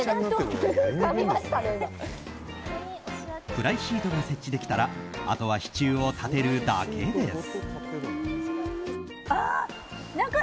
フライシートが設置できたらあとは支柱を立てるだけです。